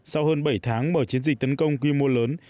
sau hơn bảy tháng mở chiến dịch tấn công quy mô lớn